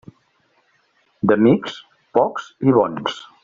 D'amics, pocs i bons.